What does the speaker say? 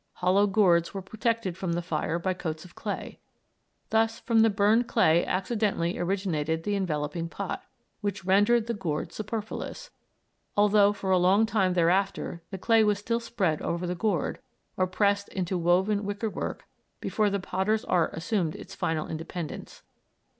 Hollow gourds were protected from the fire by coats of clay. Thus, from the burned clay accidentally originated the enveloping pot, which rendered the gourd superfluous, although for a long time thereafter the clay was still spread over the gourd, or pressed into woven wicker work before the potter's art assumed its final independence.